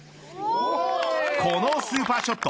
このスーパーショット。